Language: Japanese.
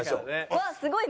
うわっすごい！